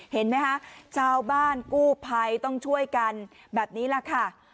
เห็นไหมคะชาวบ้านกู้ภัยต้องช่วยกันแบบนี้แหละค่ะ